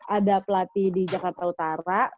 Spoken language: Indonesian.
ada pelatih di jakarta utara